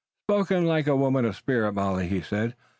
"Spoken like a woman of spirit, Molly," he said.